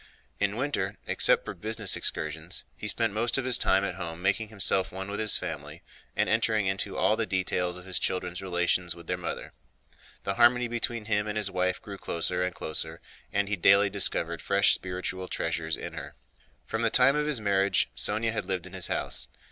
In winter, except for business excursions, he spent most of his time at home making himself one with his family and entering into all the details of his children's relations with their mother. The harmony between him and his wife grew closer and closer and he daily discovered fresh spiritual treasures in her. From the time of his marriage Sónya had lived in his house.